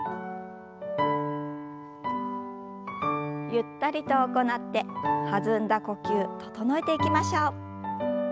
ゆったりと行って弾んだ呼吸整えていきましょう。